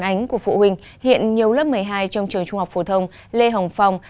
trường trung học phổ thông của phụ huynh hiện nhấu lớp một mươi hai trong trường trung học phổ thông lê hồng phong